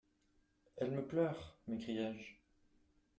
Elle me pleure ! m'écriais-je.